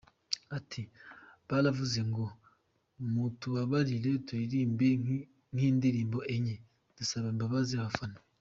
Ati: “Baravuze ngo mutubabarire turirimbe nk’indirimbo enye ,dusabe imbabazi abafana.